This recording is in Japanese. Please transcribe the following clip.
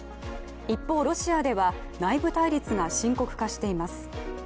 一方、ロシアでは内部対立が深刻化しています。